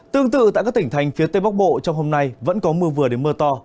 tương tự tại các tỉnh thành phía tây bắc bộ trong hôm nay vẫn có mưa vừa đến mưa to